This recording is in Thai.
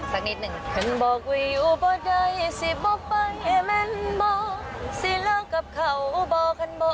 สักนิดหนึ่ง